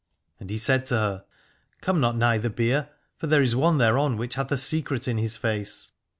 And he said to her: Come not nigh the bier, for there is one thereon which hath a secret in his face.